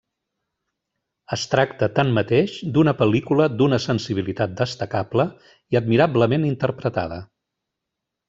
Es tracta tanmateix d'una pel·lícula d'una sensibilitat destacable i admirablement interpretada.